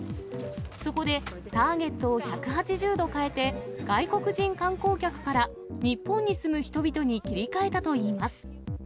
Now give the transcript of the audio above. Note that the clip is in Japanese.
そこで、ターゲットを１８０度変えて、外国人観光客から、日本に住む人々に切り替えたといいます。